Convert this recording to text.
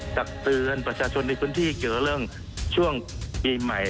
ตักเตือนประชาชนในพื้นที่เกี่ยวเรื่องช่วงปีใหม่